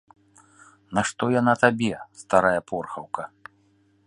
Нашто яна табе, старая порхаўка?